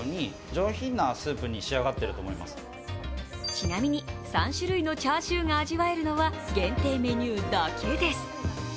ちなみに３種類のチャーシューが味わえるのは限定メニューだけです。